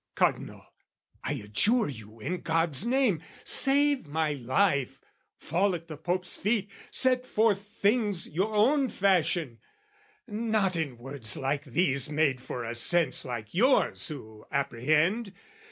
Cardinal, I adjure you in God's name, Save my life, fall at the Pope's feet, set forth Things your own fashion, not in words like these Made for a sense like yours who apprehend!